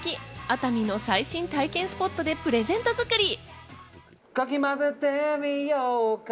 熱海の最新体験スポットでプレゼント作り。